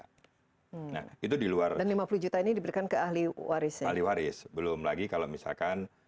nah itu di luar dan lima puluh juta ini diberikan ke ahli waris ahli waris belum lagi kalau misalkan